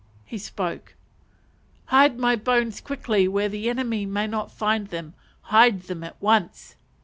He spoke. "Hide my bones quickly where the enemy may not find them: hide them at once."